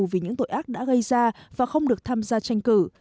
vì những tội ác đã gây ra và không được tham gia tranh cử